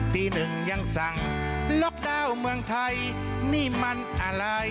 ตีหนึ่งยังสั่งล็อกดาวน์เมืองไทยนี่มันอะไร